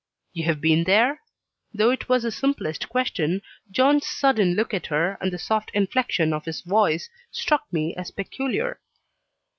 "You have been there?" Though it was the simplest question, John's sudden look at her, and the soft inflection of his voice, struck me as peculiar.